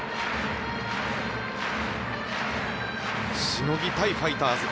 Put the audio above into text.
しのぎたいファイターズ。